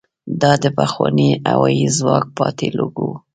دا د پخواني هوايي ځواک پاتې لوګو وه.